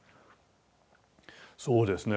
そうですね